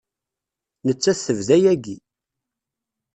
Nettat tebda yagi.